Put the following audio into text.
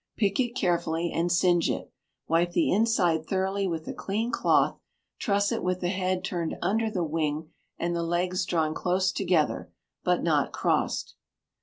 Pick it carefully, and singe it; wipe the inside thoroughly with a clean cloth, truss it with the head turned under the wing and the legs drawn close together, but not crossed.